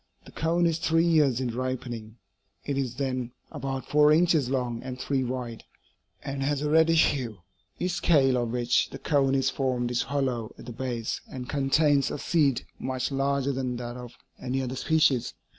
The cone is three years in ripening; it is then about four inches long and three wide, and has a reddish hue. Each scale of which the cone is formed is hollow at the base and contains a seed much larger than that of any other species.